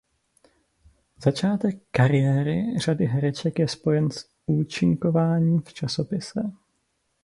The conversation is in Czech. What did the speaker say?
Začátek kariéry řady hereček je spojen s účinkováním v časopise.